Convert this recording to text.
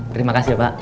terima kasih pak